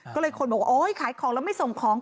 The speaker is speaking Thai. ก็เลยคนบอกว่าโอ๊ยขายของแล้วไม่ส่งของ